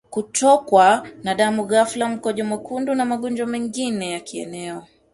kutokwa na damu ghafla mkojo mwekundu na magonjwa mengine ya kieneo